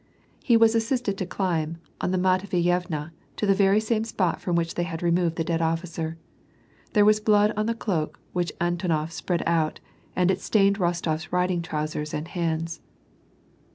He was assisted to climb on the Matveyevna, to the very same spot from which they had removed the dead officer. There was blood on the cloak which Antonof spread out, and it stain ed Rostof s riding trousers and hands.